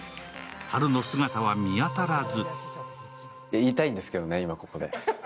ハルの姿は見当たらず。